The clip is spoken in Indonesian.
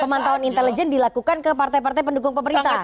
pemantauan intelijen dilakukan ke partai partai pendukung pemerintah